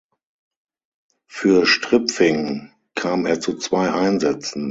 Für Stripfing kam er zu zwei Einsätzen.